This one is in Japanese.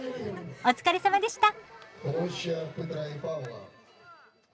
お疲れさまでした。